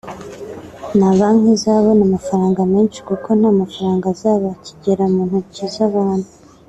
na banki izabona amafaranga menshi kuko nta mafaranga azaba akigera mu ntoki z’abantu